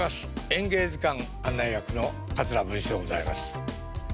「演芸図鑑」案内役の桂文枝でございます。